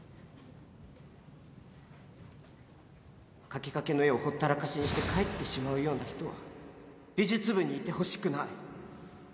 描きかけの絵をほったらかしにして帰ってしまうような人は美術部にいてほしくない